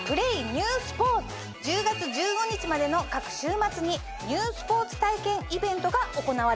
１０月１５日までの各週末にニュースポーツ体験イベントが行われています。